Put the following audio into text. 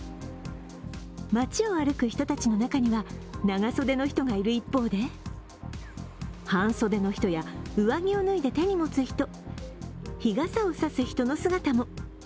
街を歩く人たちの中には、長袖の人がいる一方で半袖の人や上着を脱いで手に持つ人、日傘を差す人の姿も。